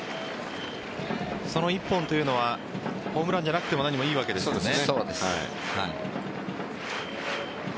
その１本というのはホームランじゃなくてもいいわけですよね。